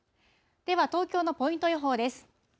では、東京のポイント予報です。